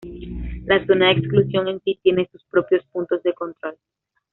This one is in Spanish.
La zona de exclusión en sí tiene sus propios puntos de control.